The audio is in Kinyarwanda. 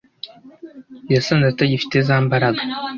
yasanze atagifite za mbaraga